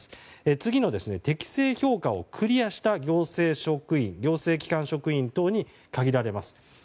次の適正評価をクリアした行政機関職員等に限られます。